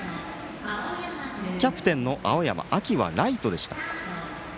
キャプテンの青山は秋はライトでした。